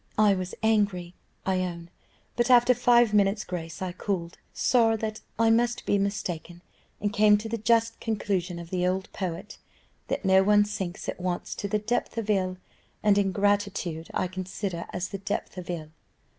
I was angry, I own, but after five minutes' grace I cooled, saw that I must be mistaken, and came to the just conclusion of the old poet, that no one sinks at once to the depth of ill, and ingratitude I consider as the depth of ill.